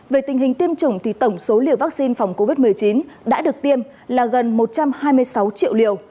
về tình hình tiêm chủng tổng số liều vaccine phòng covid một mươi chín đã được tiêm là gần một trăm hai mươi sáu triệu liều